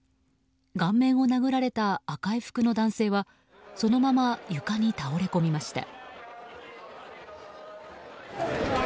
顔面を殴られた赤い服の男性はそのまま床に倒れ込みました。